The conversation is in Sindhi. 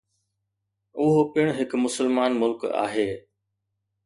اهو پڻ هڪ مسلمان ملڪ آهي.